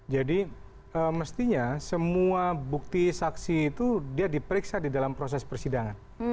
jadi mestinya semua bukti saksi itu dia diperiksa di dalam proses penelitian